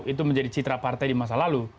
itu menjadi citra partai di masa lalu